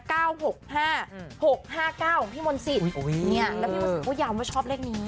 ๙๖๕๖๕๙ของพี่มนต์สิบเนี่ยแล้วพี่มนต์สิบก็ยาวไม่ชอบเลขนี้